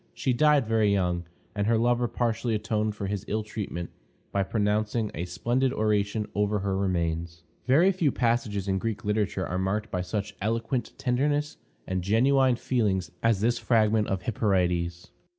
She died very young, and her lover partially atoned for his ill treatment by pronouncing a splendid oration over her remains. Very few passages in Greek literature are marked by such eloquent tenderness and genuine feeling as this fragment of Hyperides.